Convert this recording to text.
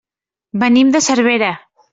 Venim de Cervera.